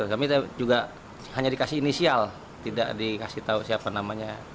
kami juga hanya dikasih inisial tidak dikasih tahu siapa namanya